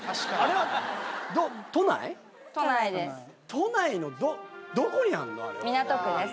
都内のどこにあんの？